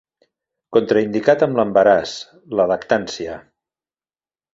Contraindicat amb l'embaràs, la lactància.